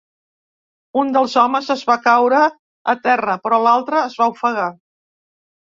Un dels homes es va caure a terra però l'altre es va ofegar.